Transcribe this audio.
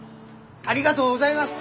ありがとうございます。